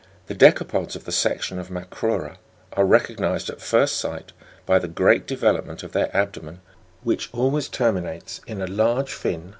9. The decapods of the section of MACROU'RA are recognised at first sight by the great development of their abdomen, which always terminates in a large fin (fig.